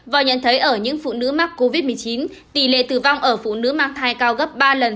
và nhận thấy ở những phụ nữ mắc covid một mươi chín tỷ lệ tử vong ở phụ nữ mang thai cao gấp ba lần